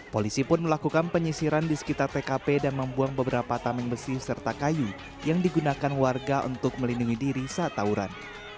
polisi pun melakukan penyisiran di sekitar tkp dan membuang beberapa tameng besi serta kayu yang digunakan warga untuk melindungi diri saat tawuran